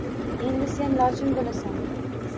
Endi sen lochin bo‘lasan